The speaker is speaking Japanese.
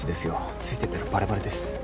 ついてったらバレバレです。